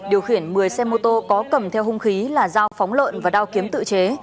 điều khiển một mươi xe mô tô có cầm theo hung khí là dao phóng lợn và đao kiếm tự chế